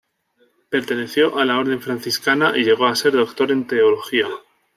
Perteneció a la Orden franciscana y llegó a ser doctor en teología.